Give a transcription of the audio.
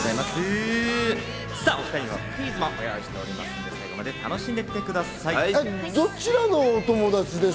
お２人にはクイズもご用意しておりますので楽しんで行ってくださいね。